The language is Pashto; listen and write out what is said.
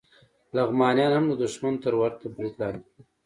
لغمانیان هم د دښمن تر ورته برید لاندې دي